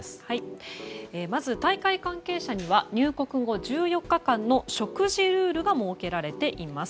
まず、大会関係者には入国後１４日間の食事ルールが設けられています。